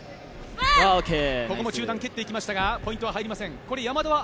ここも中段に蹴っていきましたがポイントは入りません。